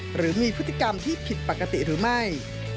หรือมีพฤติกรรมที่ผิดปกติหรือไม่